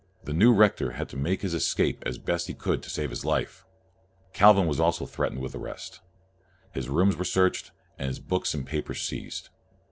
The new rector had to make his escape as best he could to save his life. Calvin also was threatened with arrest. His rooms were searched, and his books and papers seized.